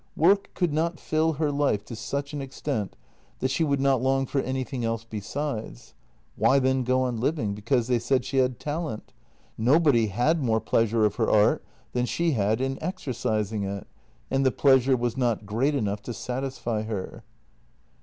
Work could not till her life to such an extent that she would not long for anything else besides. Why then go on living because they said she had talent? Nobody had more pleasure of her art than she had in exercising it, and the pleasure was not great enough to satisfy her.